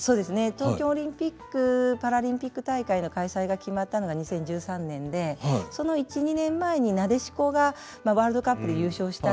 東京オリンピック・パラリンピック大会の開催が決まったのが２０１３年でその１２年前になでしこがワールドカップで優勝したり。